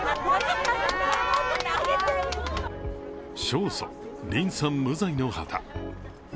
「勝訴リンさん無罪」の旗。